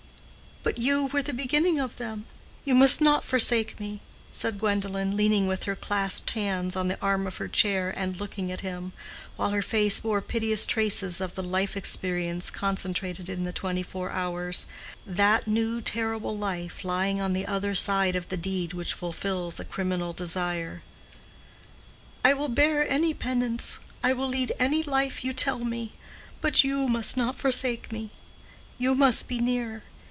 "But you were the beginning of them. You must not forsake me," said Gwendolen, leaning with her clasped hands on the arm of her chair and looking at him, while her face bore piteous traces of the life experience concentrated in the twenty four hours—that new terrible life lying on the other side of the deed which fulfills a criminal desire. "I will bear any penance. I will lead any life you tell me. But you must not forsake me. You must be near.